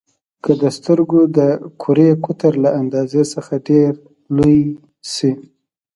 که د سترګو د کرې قطر له اندازې څخه ډېر لوی شي.